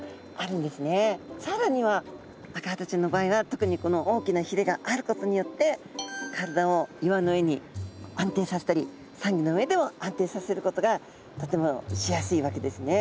さらにはアカハタちゃんの場合は特にこの大きなひれがあることによって体を岩の上に安定させたりサンギョの上でも安定させることがとてもしやすいわけですね。